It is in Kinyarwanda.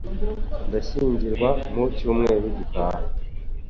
Ndashyingirwa mu cyumweru gitaha